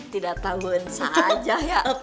tidak tahu bunsa aja ya